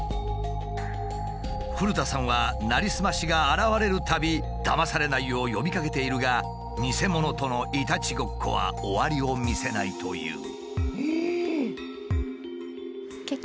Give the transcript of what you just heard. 古田さんはなりすましが現れるたびだまされないよう呼びかけているがニセモノとのいたちごっこは終わりを見せないという。